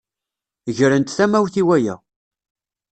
Grent tamawt i waya.